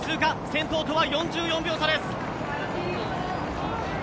先頭とは４４秒差です。